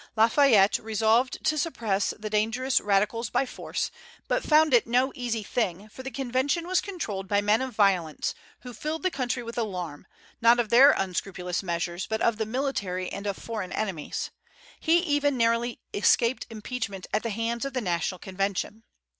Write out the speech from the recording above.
Lafayette resolved to suppress the dangerous radicals by force, but found it no easy thing, for the Convention was controlled by men of violence, who filled the country with alarm, not of their unscrupulous measures, but of the military and of foreign enemies. He even narrowly escaped impeachment at the hands of the National Convention.